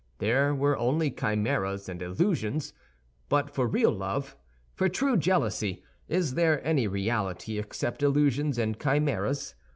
There were only chimeras and illusions; but for real love, for true jealousy, is there any reality except illusions and chimeras?